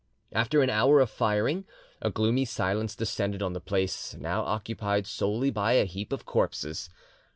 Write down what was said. After an hour of firing, a gloomy silence descended on the place, now occupied solely by a heap of corpses.